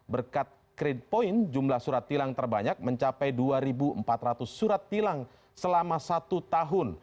berkat creade point jumlah surat tilang terbanyak mencapai dua empat ratus surat tilang selama satu tahun